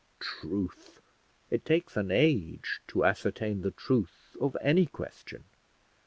Truth! it takes an age to ascertain the truth of any question!